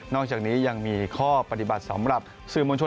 อกจากนี้ยังมีข้อปฏิบัติสำหรับสื่อมวลชน